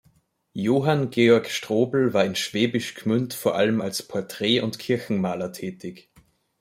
Johann Georg Strobel war in Schwäbisch Gmünd vor allem als Porträt- und Kirchenmaler tätig.